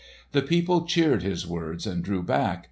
The people cheered his words and drew back.